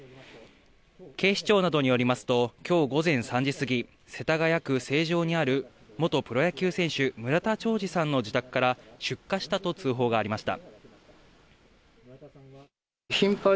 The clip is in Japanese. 警視庁などによりますと今日、午前３時すぎ、世田谷区成城にある、元プロ野球選手の村田兆治さんの自宅から出火したと通報がありました。